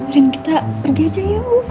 sering kita pergi aja yuk